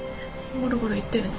ゴロゴロ言ってるの？